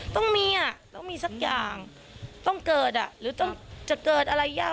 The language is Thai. ต้องมีอ่ะต้องมีสักอย่างต้องเกิดอ่ะหรือต้องจะเกิดอะไรยาก